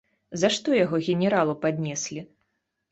За што яго генералу паднеслі?